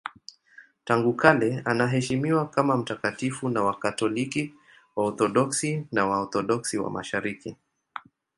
Tangu kale anaheshimiwa kama mtakatifu na Wakatoliki, Waorthodoksi na Waorthodoksi wa Mashariki.